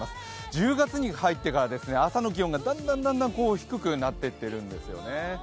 １０月に入ってから朝の気温がだんだん低くなっていってるんですよね。